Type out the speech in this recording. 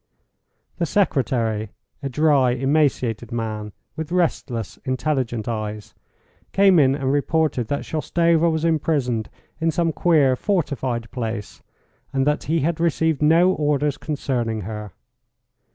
The secretary, a dry, emaciated man, with restless, intelligent eyes, came in and reported that Shoustova was imprisoned in some queer, fortified place, and that he had received no orders concerning her.